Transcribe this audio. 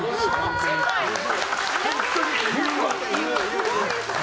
すごいですね。